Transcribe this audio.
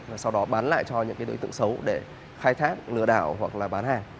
và sau đó bán lại cho những đối tượng xấu để khai thác lừa đảo hoặc là bán hàng